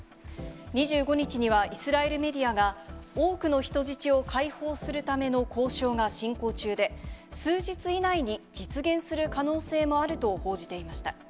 ２５日には、イスラエルメディアが、多くの人質を解放するための交渉が進行中で、数日以内に実現する可能性もあると報じていました。